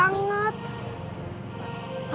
pasti gara gara jatuh tadi